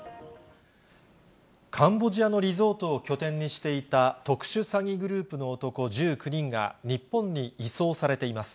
カンボジアのリゾートを拠点にしていた特殊詐欺グループの男１９人が日本に移送されています。